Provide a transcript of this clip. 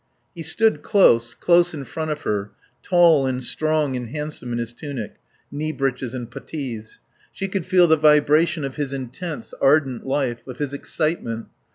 He stood close, close in front of her, tall and strong and handsome in his tunic, knee breeches and puttees. She could feel the vibration of his intense, ardent life, of his excitement.